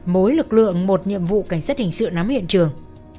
mỗi lực lượng một nhiệm vụ cảnh sát hình sự nắm hiện trường